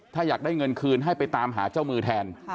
ถ้าอยากได้เงินคืนให้ไปตามหาเจ้ามือแทน